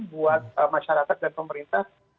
buat masyarakat dan pemerintah